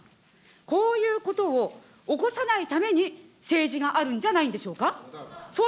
こういうことを起こさないために、政治があるんじゃないでしょうか。